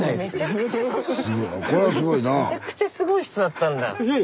めちゃくちゃすごい人だったんだ。